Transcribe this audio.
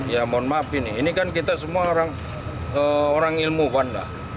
ya mohon maaf ini ini kan kita semua orang ilmuwan lah